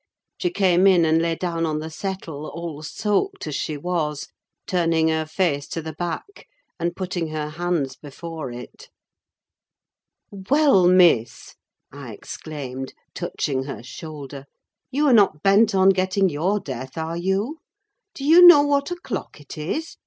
She came in and lay down on the settle, all soaked as she was, turning her face to the back, and putting her hands before it. "Well, Miss!" I exclaimed, touching her shoulder; "you are not bent on getting your death, are you? Do you know what o'clock it is?